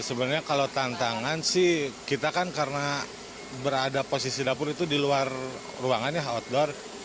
sebenarnya kalau tantangan sih kita kan karena berada posisi dapur itu di luar ruangan ya outdoor